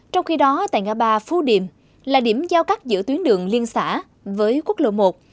trong khi đó tại ngã ba phú điểm là điểm giao cắt giữa tuyến đường liên xã với quốc lộ một